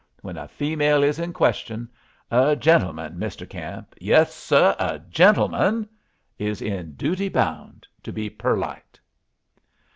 When a female is in question, a gentleman, Mr. Camp, yes, sir, a gentleman, is in dooty bound to be perlite."